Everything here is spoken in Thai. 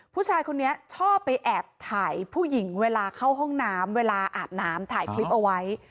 ผู้ชายคนนี้ชอบไปแอบถ่ายผู้หญิงเวลาเข้าห้องน้ำเวลาอาบน้ำถ่ายคลิปเอาไว้